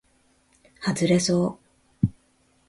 はずれそう